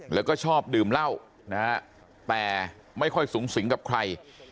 แล้วก็ชอบดื่มเหล้านะฮะแต่ไม่ค่อยสูงสิงกับใคร